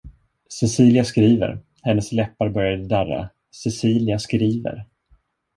Cecilia skriver, hennes läppar började darra, Cecilia skriver.